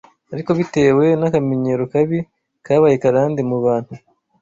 Ariko bitewe n’akamenyero kabi kabaye karande mu bantu,